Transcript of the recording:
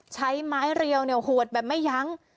ใช้ไม้เรียวหวดแบบไม่ยั้ง